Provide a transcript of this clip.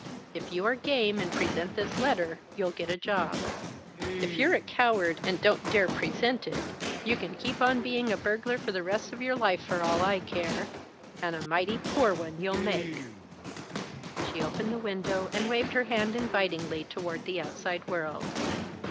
If you are game, and present this letter, you'll get a job. If you're a coward, and don't dare present it, you can keep on being a burglar for the rest of your life for all I care and a mighty poor one you'll make!" She opened the window and waved her hand invitingly toward the outside world.